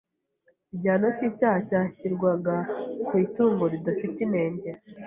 igihano cy’icyaha cyashyirwaga ku itungo ridafite inenge,